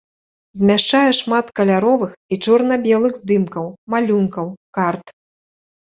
Змяшчае шмат каляровых і чорна-белых здымкаў, малюнкаў, карт.